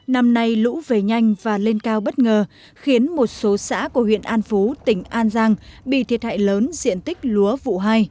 năm nay lũ về nhanh và lên cao bất ngờ khiến một số xã của huyện an phú tỉnh an giang bị thiệt hại lớn diện tích lúa vụ hai